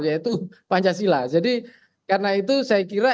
yaitu pancasila jadi karena itu saya kira